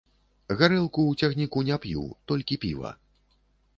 Гарэлку ў цягніку не п'ю, толькі піва.